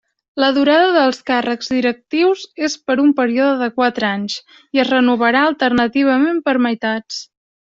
La durada dels càrrecs directius és per un període de quatre anys, i es renovarà alternativament per meitats.